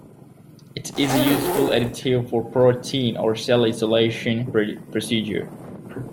It is a useful additive for protein or cell isolation procedure.